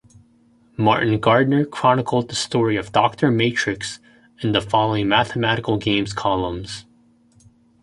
Martin Gardner chronicled the story of Doctor Matrix in the following Mathematical Games columns.